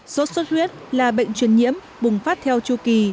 sốt xuất huyết là bệnh truyền nhiễm bùng phát theo chu kỳ